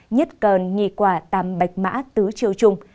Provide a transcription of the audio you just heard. nhất cơn nhì quả tàm bạch mã tứ triều trung